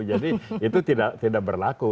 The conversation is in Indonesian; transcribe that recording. jadi itu tidak berlaku